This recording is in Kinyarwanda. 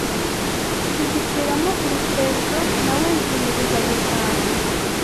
Zigiciramo urutezo nawe zimubuza gutaha